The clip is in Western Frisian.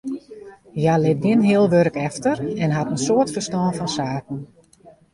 Hja lit gjin heal wurk efter en hat in soad ferstân fan saken.